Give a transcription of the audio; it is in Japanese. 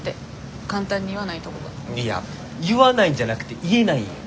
いや言わないんじゃなくて言えないんよ。